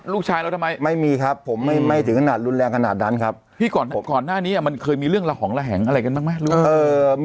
ลูกชายเราทำไมไม่มีครับผมไม่ไม่ถึงขนาดรุนแรงขนาดนั้นครับพี่ก่อนก่อนหน้านี้มันเคยมีเรื่องระหองระแหงอะไรกันบ้างไหมลูก